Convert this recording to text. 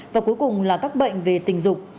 và cuối cùng là các bệnh về tình dục